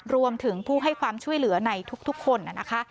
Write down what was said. รวมถึงผู้ให้ความช่วยเหลือในทุกคนนะคะ